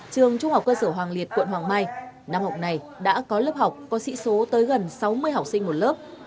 trường trung học cơ sở hoàng liệt quận hoàng mai năm học này đã có lớp học có sĩ số tới gần sáu mươi học sinh một lớp